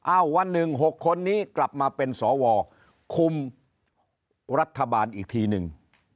วันหนึ่ง๖คนนี้กลับมาเป็นสวคุมรัฐบาลอีกทีนึง